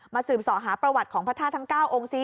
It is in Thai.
มาสื่มสอบหาประวัติของพระท่าทางเก้าองค์สิ